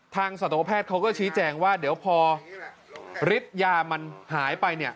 ทางสถานกแพทย์เขาก็ชี้แจงว่าเดี๋ยวพอริษตร์ยามันหายไป